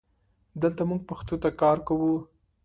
دلته مونږ پښتو ته کار کوو